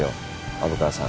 虻川さん。